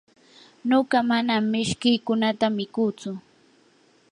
nuqa manam mishkiykunata mikutsu.